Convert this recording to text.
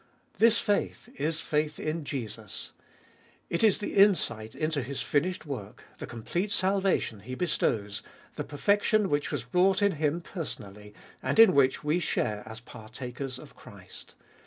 This faith is faith in Jesus. It is the insight into His finished work, the complete salvation He bestows, the perfect tion which was wrought in Him personally, and in which we share as partakers of Christ.